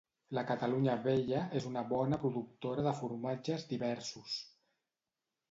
La Catalunya Vella és una bona productora de formatges diversos